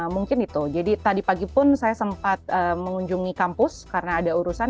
mungkin itu jadi tadi pagi pun saya sempat mengunjungi kampus karena ada urusan